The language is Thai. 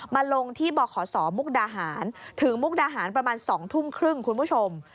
มาลงที่บขศมุกดาหารถึงมุกดาหารประมาณ๒ทุ่มครึ่งคุณผู้ชม